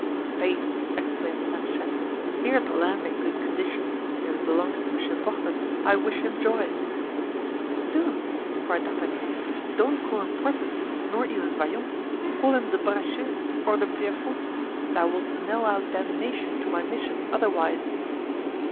"Faith!" exclaimed Planchet, "here's land in good condition; if it belongs to Monsieur Porthos I wish him joy." "Zounds!" cried D'Artagnan, "don't call him Porthos, nor even Vallon; call him De Bracieux or De Pierrefonds; thou wilt knell out damnation to my mission otherwise."